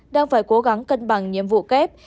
đang phải cố gắng cân bằng nhiệm vụ kép